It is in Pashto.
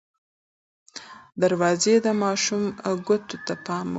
دروازې د ماشوم ګوتو ته پام وکړئ.